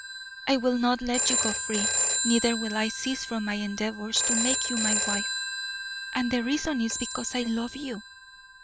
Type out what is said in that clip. "I will not let you go free, neither will I cease from my endeavors to make you my wife; and the reason is because I love you.